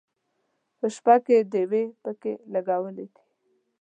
په شپه کې ډیوې پکې لګولې دي.